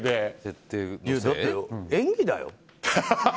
だって演技だよ。